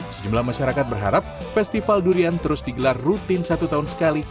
sejumlah masyarakat berharap festival durian terus digelar rutin satu tahun sekali